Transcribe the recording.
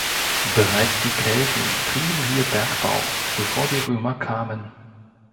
Bereits die Kelten trieben hier Bergbau, bevor die Römer kamen.